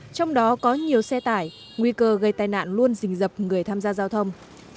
trong đó có nhiều xe tải nguy cơ gây tai nạn luôn dình dập người tham gia giao thông